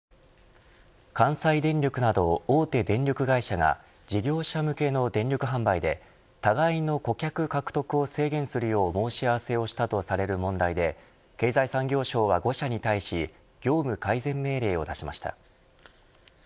関西電力など大手電力会社が事業者向けの電力販売で互いの顧客獲得を制限するよう申し合わせをしたとされる問題で経済産業省は５社に対し業務改善命令を出しました。